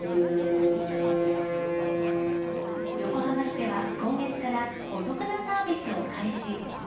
横浜市では今月から、お得なサービスを開始。